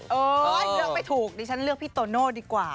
เลือกไม่ถูกดิฉันเลือกพี่โตโน่ดีกว่า